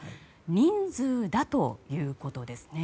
人数だということですね。